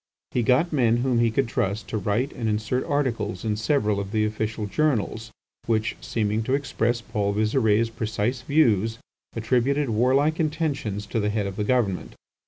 He got men whom he could trust to write and insert articles in several of the official journals, which, seeming to express Paul Visire's precise views, attributed warlike intentions to the Head of the Government.